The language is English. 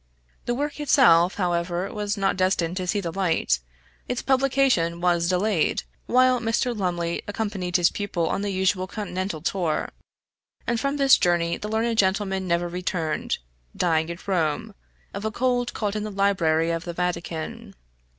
The work itself, however, was not destined to see the light; its publication was delayed, while Mr. Lumley accompanied his pupil on the usual continental tour, and from this journey the learned gentleman never returned, dying at Rome, of a cold caught in the library of the Vatican.